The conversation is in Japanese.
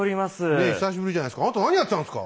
ねえ久しぶりじゃないですか。